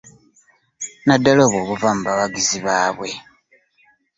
Naddala obwo obuva mu bawagizi baabwe